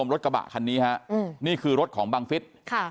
รถกระบะคันนี้ฮะนี่คือรถของบังฟิศ